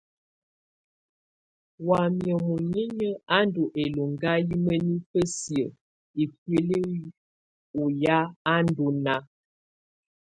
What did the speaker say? Wamɛ̀á muninƴǝ́ á ndù ɛlɔŋga yɛ mǝnifǝ siǝ̀ ikuili ɔ ya á ndù nàá.